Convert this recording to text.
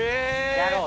やろう？